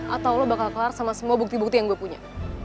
atau lo bakal kelar sama semua bukti bukti yang gue punya